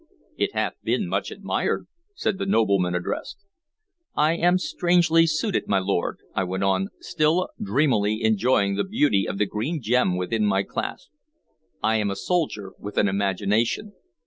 "It hath been much admired," said the nobleman addressed. "I am strangely suited, my lord," I went on, still dreamily enjoying the beauty of the green gem within my clasp. "I am a soldier with an imagination.